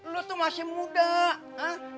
lo tuh masih muda ha